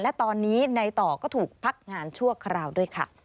และตอนนี้ในต่อก็ถูกพักงานชั่วคราวด้วยค่ะ